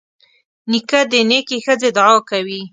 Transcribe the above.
نیکه د نیکې ښځې دعا کوي.